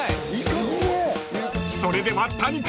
［それでは谷君